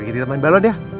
oke kita main balon ya